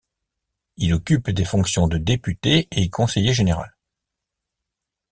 Il occupe des fonctions de députés et conseiller général.